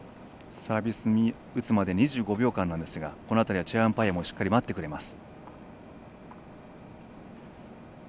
サービス打つまでに２５秒間ありますがこの辺りはチェアアンパイアもしっかり待ってくれます。